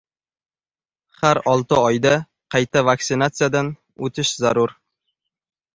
Har olti oyda qayta vaksinasiyadan o‘tish zarur